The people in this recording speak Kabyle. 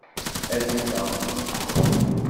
Azekka, ad d-qḍuɣ.